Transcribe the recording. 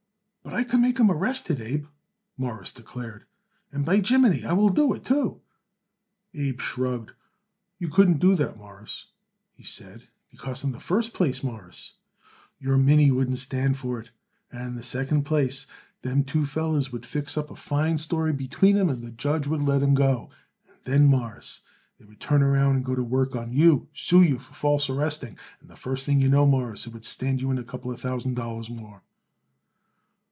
"But I could make 'em arrested, Abe?" Morris declared, "and, by jimminy, I will do it, too." Abe shrugged. "You couldn't do that, Mawruss," he said, "because in the first place, Mawruss, your Minnie wouldn't stand for it; and in the second place, them two fellers would fix up a fine story between 'em and the judge would let 'em go. And then, Mawruss, they would turn around and go to work and sue you for false arresting; and the first thing you know, Mawruss, it would stand you in a couple of thousand dollars more."